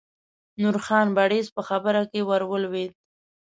نورخان بړیڅ په خبره کې ور ولوېد.